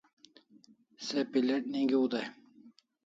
Se Pilate' nigiu dai